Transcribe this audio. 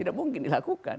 tidak mungkin dilakukan